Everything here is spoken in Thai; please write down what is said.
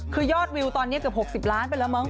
คือยอดวิวตอนนี้เกือบ๖๐ล้านไปแล้วมั้